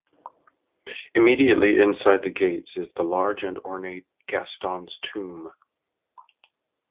Immediately inside the gates is the large and ornate "Gaston's Tomb".